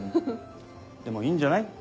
でもいいんじゃない？